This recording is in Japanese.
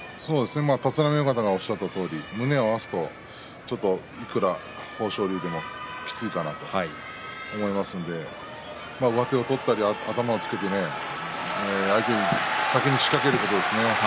立浪親方がおっしゃったとおり胸を合わすといくら豊昇龍でもきついかなと思いますので上手を取ったり、頭をつけて相手に先に仕掛けることですね。